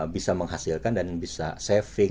bisa menghasilkan dan bisa saving